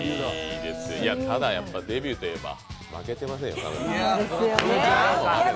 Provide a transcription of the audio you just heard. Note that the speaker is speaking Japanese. ただ、デビューといえば負けてませんよ。